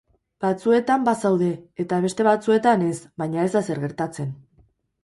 Batzuetan bazaude, eta beste batzuetan ez, baina ez da ezer gertatzen.